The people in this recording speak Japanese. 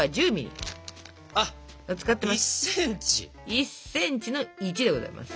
１ｃｍの「イチ」でございます。